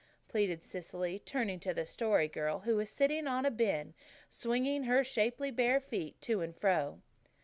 pleaded Cecily, turning to the Story Girl, who was sitting on a bin, swinging her shapely bare feet to and fro.